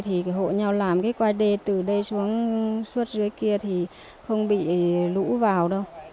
thì hộ nhau làm cái quai đê từ đây xuống xuất dưới kia thì không bị lũ vào đâu